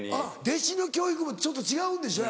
弟子の教育もちょっと違うんでしょ